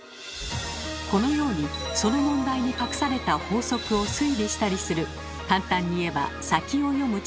このようにその問題に隠された法則を推理したりする簡単に言えば先を読む力。